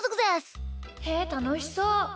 へえたのしそう！